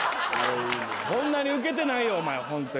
そんなにウケてないよお前ホントに。